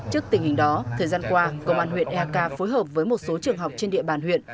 trước tình hình đó thời gian qua công an huyện eak phối hợp với một số trường học trên địa bàn huyện